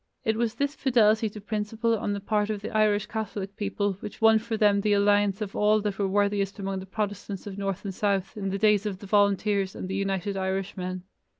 It was this fidelity to principle on the part of the Irish Catholic people which won for them the alliance of all that were worthiest among the Protestants of north and south in the days of the Volunteers and the United Irishmen.